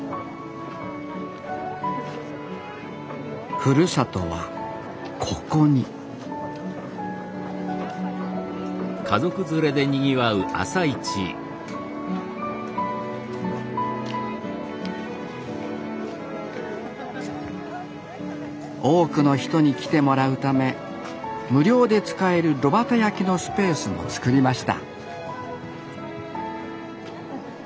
ふるさとはここに多くの人に来てもらうため無料で使える炉端焼きのスペースも作りました